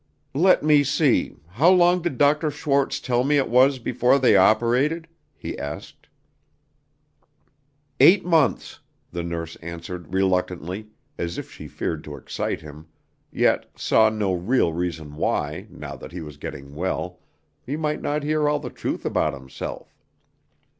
"Let me see, how long did Dr. Schwarz tell me it was, before they operated?" he asked. "Eight months," the nurse answered reluctantly, as if she feared to excite him, yet saw no real reason why, now that he was getting well, he might not hear all the truth about himself.